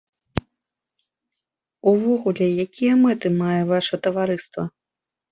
Увогуле, якія мэты мае ваша таварыства?